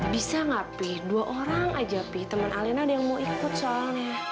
bisa enggak pi dua orang aja pi temen alena ada yang mau ikut soalnya